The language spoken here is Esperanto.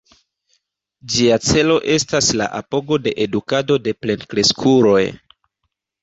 Ĝia celo estas la apogo de edukado de plenkreskuloj.